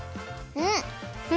うん！